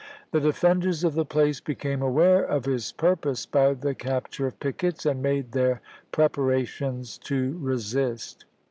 The defenders of the place became aware of his pur pose by the capture of pickets, and made their preparations to resist.